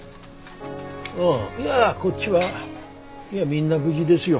ああいやこっちはみんな無事ですよ。